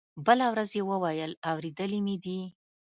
بله ورځ يې وويل اورېدلي مې دي.